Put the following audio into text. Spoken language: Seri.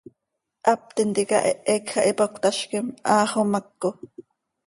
Hap tintica hehe quij ah ipac cötazquim, haa xomaco.